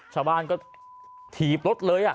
ชาวบ้านก็ถีบรถเลย